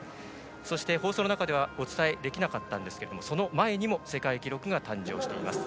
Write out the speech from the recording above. そして、放送の中ではお伝えできなかったんですけれどその前にも世界記録が誕生しています。